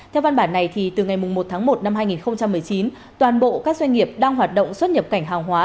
theo văn bản này từ ngày một tháng một năm hai nghìn một mươi chín toàn bộ các doanh nghiệp đang hoạt động xuất nhập cảnh hàng hóa